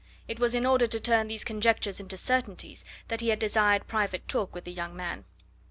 It was in order to turn these conjectures into certainties that he had desired private talk with the young man.